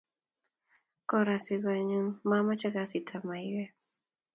Korasiku any mamche kasit ab maiyek